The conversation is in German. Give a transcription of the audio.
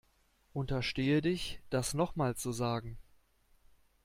Unterstehe dich, das noch mal zu sagen!